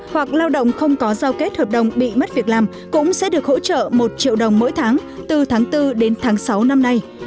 hoặc lao động không có giao kết hợp đồng bị mất việc làm cũng sẽ được hỗ trợ một triệu đồng mỗi tháng từ tháng bốn đến tháng sáu năm nay